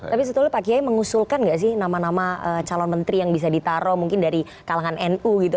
tapi sebetulnya pak kiai mengusulkan gak sih nama nama calon menteri yang bisa ditaruh mungkin dari kalangan nu gitu